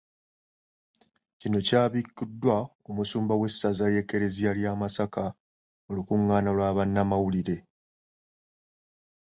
Kino kyabikkuddwa Omusumba w’essaza ly’Eklezia erya Masaka mu lukuŋŋaana lwa bannamawulire